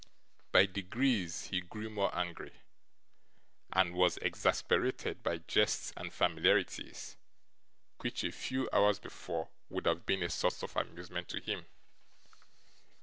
By degrees, he grew more angry, and was exasperated by jests and familiarities which, a few hours before, would have been a source of amusement to him.